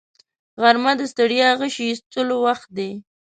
غرمه د ستړیا غشي ایستلو وخت دی